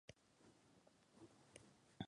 En esa librería comenzó su formación autodidacta.